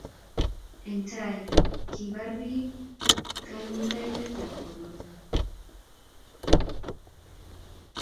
eng' tai, kibar biik kaimutietab korona